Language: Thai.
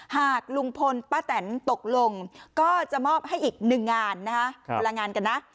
หากลุงพลป้าแตนตกลงก็จะมอบให้อีกหนึ่งงานนะฮะคนละงานกันนะ